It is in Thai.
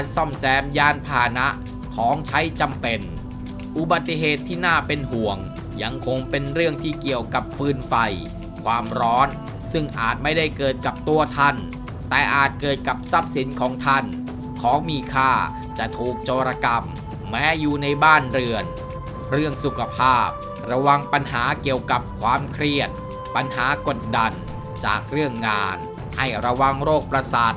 ซ่อมแซมยานพานะของใช้จำเป็นอุบัติเหตุที่น่าเป็นห่วงยังคงเป็นเรื่องที่เกี่ยวกับฟืนไฟความร้อนซึ่งอาจไม่ได้เกิดกับตัวท่านแต่อาจเกิดกับทรัพย์สินของท่านของมีค่าจะถูกโจรกรรมแม้อยู่ในบ้านเรือนเรื่องสุขภาพระวังปัญหาเกี่ยวกับความเครียดปัญหากดดันจากเรื่องงานให้ระวังโรคประสาท